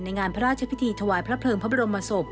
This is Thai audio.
งานพระราชพิธีถวายพระเพลิงพระบรมศพ